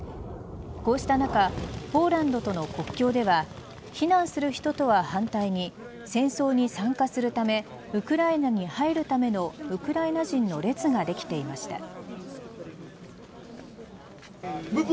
こうした中ポーランドとの国境では避難する人とは反対に戦争に参加するためウクライナに入るためのウクライナ人の列ができていました。